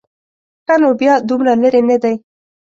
ښه نو بیا دومره لرې نه دی.